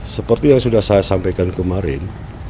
seperti yang sudah saya sampaikan kemarin